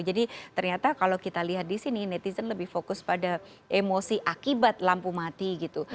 ternyata kalau kita lihat di sini netizen lebih fokus pada emosi akibat lampu mati gitu